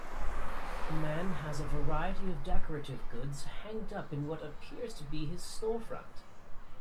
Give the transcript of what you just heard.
A man has a variety of decorative goods hanged up in what appears to be his storefront.